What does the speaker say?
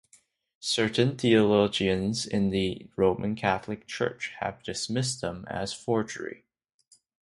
Certain theologians in the Roman Catholic Church have dismissed them as forgery.